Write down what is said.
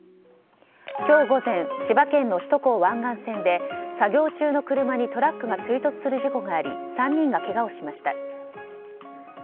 今日午前千葉県の首都高湾岸線で作業中の車にトラックが追突する事故があり３人がけがをしました。